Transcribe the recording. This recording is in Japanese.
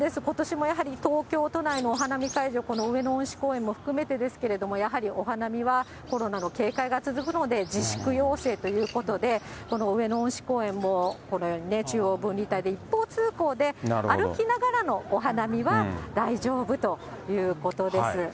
ことしもやはり、東京都内のお花見会場、この上野恩賜公園も含めてですけれども、やはりお花見は、コロナの警戒が続くので、自粛要請ということで、この上野恩賜公園も、このように、中央分離帯で、一方通行で歩きながらのお花見は大丈夫ということです。